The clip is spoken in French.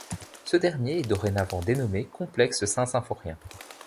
Ce dernier est dorénavant dénommé complexe Saint-Symphorien.